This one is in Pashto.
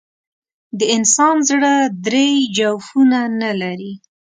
د انسان زړه درې جوفونه نه لري.